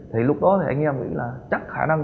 thì lúc đó thì anh em nghĩ là chắc khả năng